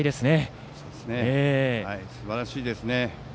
北海もすばらしいですね。